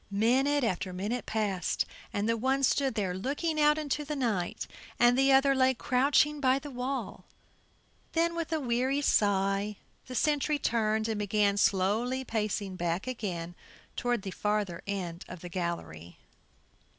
Minute after minute passed, and the one stood there looking out into the night and the other lay crouching by the wall; then with a weary sigh the sentry turned and began slowly pacing back again toward the farther end of the gallery.